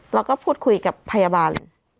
เราก็พูดคุยกับพยาบาล